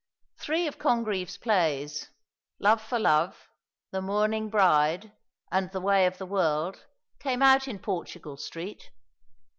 Three of Congreve's plays, "Love for Love," "The Mourning Bride," and "The Way of the World," came out in Portugal Street.